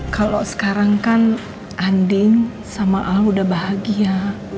kalau sekarang kan andin sama al udah bahagia